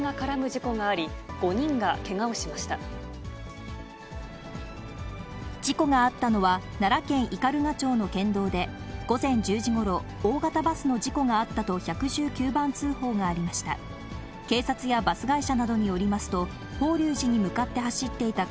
事故があったのは、奈良県斑鳩町の県道で、午前１０時ごろ、大型バスの事故があったと１１９番通報がありました。